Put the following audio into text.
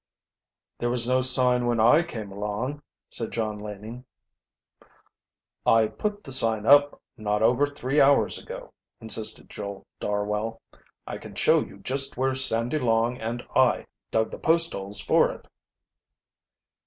"There was no sign when I came along," said John Laning. "I put the sign up not over three hours ago," insisted Joel Darwell. "I can show you just where Sandy Long and I dug the post holes for it."